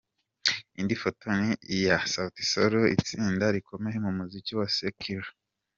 Indi foto ni iya Saut Sol, itsinda rikomeye mu muziki wa Secular.